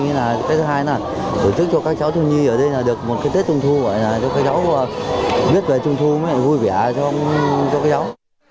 và cái thứ hai là tổ chức cho các cháu thương nhi ở đây là được một cái tết trung thu gọi là cho các cháu biết về trung thu mới vui vẻ cho các cháu